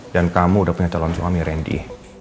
dan kamu udah punya calon suami randy